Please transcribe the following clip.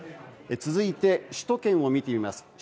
続いて、首都圏を見てみます。